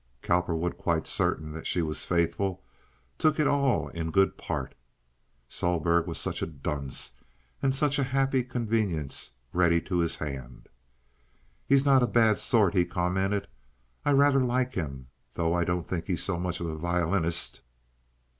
Cowperwood, quite certain that she was faithful, took it all in good part. Sohlberg was such a dunce and such a happy convenience ready to his hand. "He's not a bad sort," he commented. "I rather like him, though I don't think he's so much of a violinist."